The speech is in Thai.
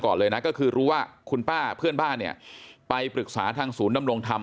ก่อนเลยนะก็คือรู้ว่าคุณป้าเพื่อนบ้านเนี่ยไปปรึกษาทางศูนย์ดำรงธรรม